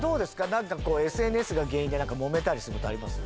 何かこうＳＮＳが原因で揉めたりすることあります？